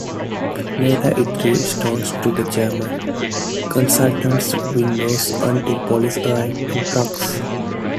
Later it threw stones to the German Consulate's windows until police arrived in trucks.